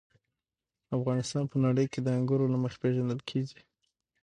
افغانستان په نړۍ کې د انګورو له مخې پېژندل کېږي.